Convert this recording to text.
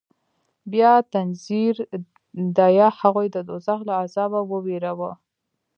بيا تنذير ديه هغوى د دوزخ له عذابه ووېروه.